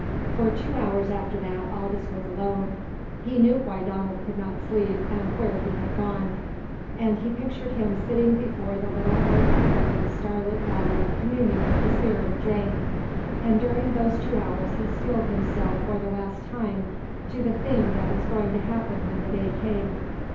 For two hours after that Aldous was alone. He knew why old Donald could not sleep, and where he had gone, and he pictured him sitting before the little old cabin in the starlit valley communing with the spirit of Jane. And during those two hours he steeled himself for the last time to the thing that was going to happen when the day came.